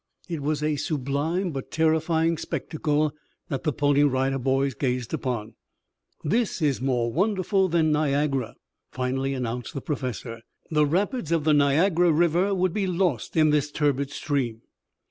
It was a sublime but terrifying spectacle that the Pony Rider Boys gazed upon. "This is more wonderful than Niagara," finally announced the Professor. "The rapids of the Niagara River would be lost in this turbid stream."